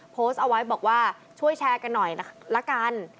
โพสต์เอาไว้บอกว่าช่วยแชร์กันหน่อยละกัน